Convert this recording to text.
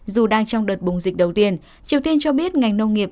dù đang trong đợt bùng dịch đầu tiên triều tiên cho biết ngành nông nghiệp